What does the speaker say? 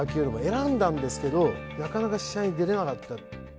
選んだんですけどなかなか試合に出られなかった。